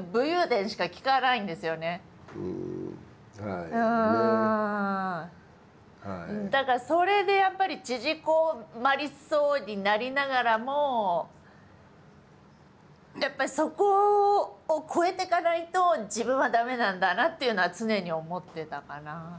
いざ女優になってみるといろんな所でだからそれでやっぱり縮こまりそうになりながらもやっぱりそこを超えていかないと自分は駄目なんだなっていうのは常に思ってたかな。